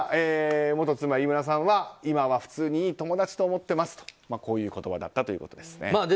元妻の飯村さんは今は普通にいい友達と思ってますとこういう言葉だったということです。